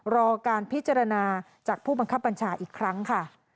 รอการพิจารณาจากผู้บังคับบัญชาอีกครั้งค่ะ